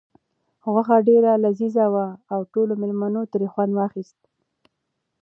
غوښه ډېره لذیذه وه او ټولو مېلمنو ترې خوند واخیست.